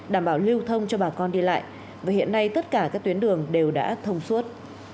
đảm bảo lưu thông cho bà con đi lại và hiện nay tất cả các tuyến đường đều đã thông suốt